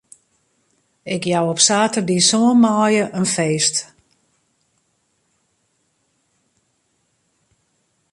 Ik jou op saterdei sân maaie in feest.